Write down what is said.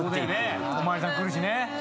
お巡りさん来るしね。